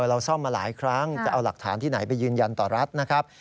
เราซ่อมมาหลายครั้งจะเอาหลักฐานที่ไหนไปยืนยันต่อรัฐนะครับ